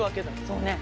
そうね。